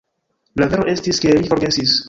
La vero estis, ke li forgesis.